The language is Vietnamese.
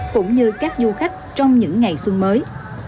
cũng như các du khách trong những ngày xuân mới